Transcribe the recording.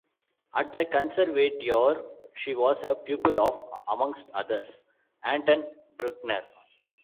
At the Conservatoire she was a pupil of, amongst others, Anton Bruckner.